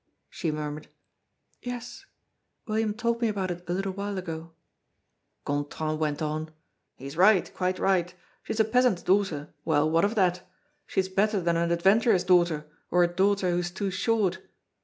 She murmured: "Yes; William told me about it a little while ago." Gontran went on: "He is right, quite right. She is a peasant's daughter. Well, what of that? She is better than an adventurer's daughter or a daughter who's too short.